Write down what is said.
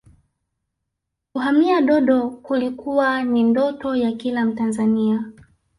kuhamia dodo kulikuwa ni ndoto ya kila mtanzania